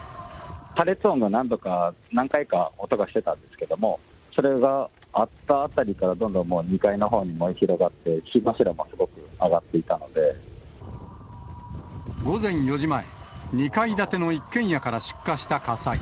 破裂音が何度か、何回か音がしてたんですけども、それがあったあたりから、どんどん２階のほうに燃え広がって、火柱もすごく上がっていたの午前４時前、２階建ての一軒家から出火した火災。